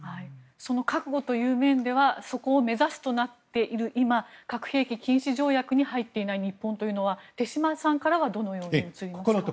その覚悟という面ではそこを目指すとなっている今核兵器禁止条約に入っていない日本というのは手嶋さんからはどのように映りますか？